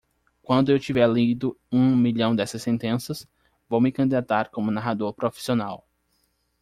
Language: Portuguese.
Quando eu tiver lido um milhão dessas sentenças?, vou me candidatar como narrador profissional.